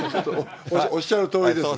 おっしゃるとおりです。